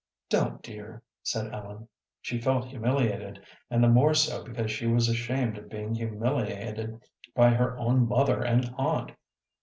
"Don't, dear," said Ellen. She felt humiliated, and the more so because she was ashamed of being humiliated by her own mother and aunt.